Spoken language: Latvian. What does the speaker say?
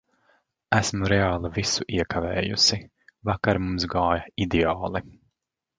Esmu reāli visu iekavējusi. Vakar mums gāja ideāli!